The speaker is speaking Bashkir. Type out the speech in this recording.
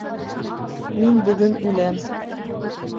Мин бөгөн үләм.